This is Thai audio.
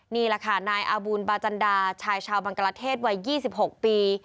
นี่แหละค่ะนายอาบูลบาจันดาชายชาวบังกลาเทศวัย๒๖ปี